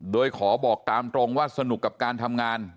โดยขอบอกตามตรงว่าสนุกกับการทำงาน